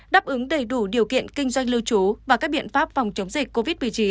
đáp ứng đầy đủ điều kiện kinh doanh lưu trú và các biện pháp phòng chống dịch covid một mươi chín